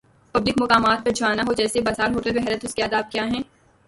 Public مقامات پر جانا ہو، جیسے بازار" ہوٹل وغیرہ تو اس کے آداب کیا ہیں۔